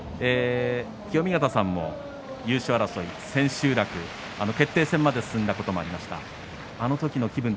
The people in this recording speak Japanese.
清見潟さんも優勝争い、千秋楽決定戦まで進んだことがありました。